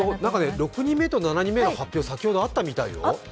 ６人目と７人目の発表、先ほどあったみたいよ。